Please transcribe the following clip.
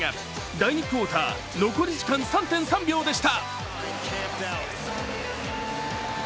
第２クオーター、残り時間３．３秒でした。